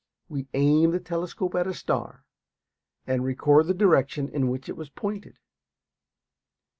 We aim the telescope at a star, and record the direction in which it was pointed.